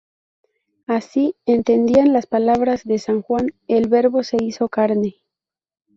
Así entendían las palabras de San Juan: "el Verbo se hizo carne".